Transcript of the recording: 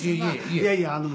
いやいやあのね。